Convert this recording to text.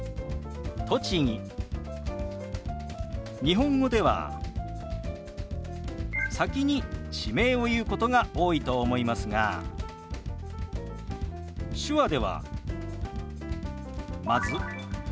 日本語では先に地名を言うことが多いと思いますが手話ではまず「生まれ」。